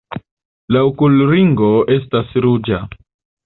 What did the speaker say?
La okulringo estas ruĝa.